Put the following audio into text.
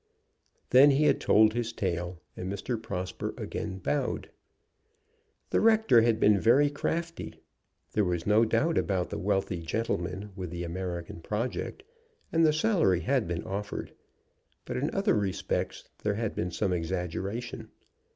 Then he had told his tale, and Mr. Prosper again bowed. The rector had been very crafty. There was no doubt about the wealthy gentleman with the American project, and the salary had been offered. But in other respects there had been some exaggeration.